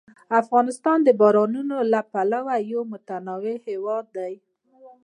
افغانستان د بارانونو له پلوه یو متنوع هېواد دی.